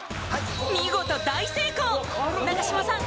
見事大成功永島さん